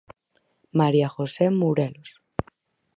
María José Mourelos.